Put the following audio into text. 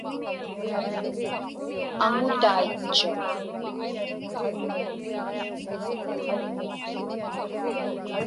Aŋutaitchuq.